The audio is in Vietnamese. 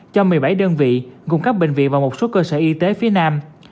cho một mươi bảy đơn vị cung cấp bệnh viện và một số cơ sở y tế phía nam